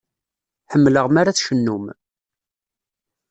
Ḥemmleɣ mi ara tcennum.